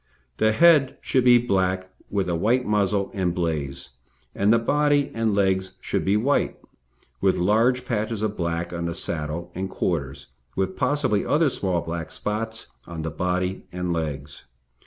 The head should be black with a white muzzle and blaze, and the body and legs should be white with large patches of black on the saddle and quarters, with possibly other small black spots on the body and legs.